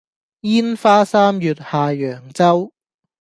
煙花三月下揚州